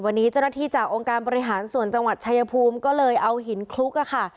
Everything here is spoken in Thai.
วันนี้เจ้าหน้าที่จากองค์การบริหารส่วนจังหวัดชายภูมิก็เลยเอาหินคลุกอะค่ะ